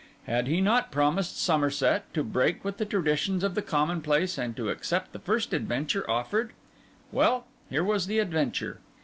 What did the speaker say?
Had he not promised Somerset to break with the traditions of the commonplace, and to accept the first adventure offered? Well, here was the adventure.